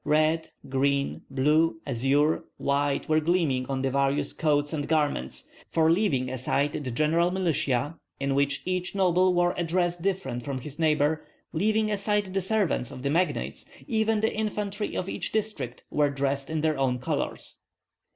Red, green, blue, azure, white were gleaming on the various coats and garments; for leaving aside the general militia, in which each noble wore a dress different from his neighbor, leaving aside the servants of the magnates, even the infantry of each district were dressed in their own colors.